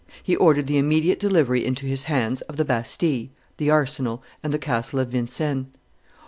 He ordered the immediate delivery into his hands of the Bastille, the arsenal, and the castle of Vincennes.